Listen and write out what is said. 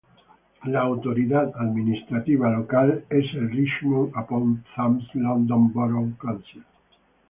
La autoridad administrativa local es el Richmond upon Thames London Borough Council.